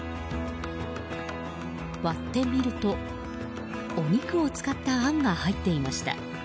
割ってみると、お肉を使ったあんが入っていました。